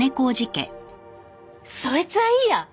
そいつはいいや！